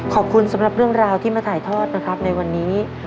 ขอบคุณสำหรับเรื่องราวที่มาถ่ายทอดนะครับในวันนี้